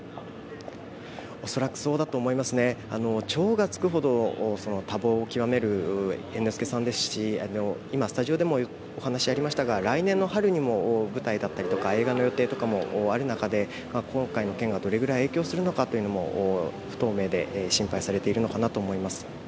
恐らくそうだと思いますね、超がつくほど多忙を極める猿之助さんですし今スタジオでもお話ありましたが、来年の春まで舞台だったり映画の予定もある中で、今回の件がどれぐらい影響するのかということも不透明で心配されているのかなと思います。